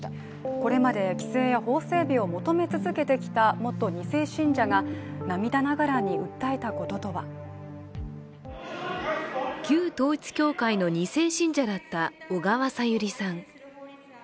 これまで規制や法整備を求め続けてきた元２世信者が涙ながらに訴えたこととは旧統一教会の２世信者だった小川さゆりさん。